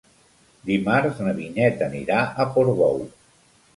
Dimarts na Vinyet anirà a Portbou.